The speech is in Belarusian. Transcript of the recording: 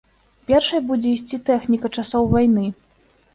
Першай будзе ісці тэхніка часоў вайны.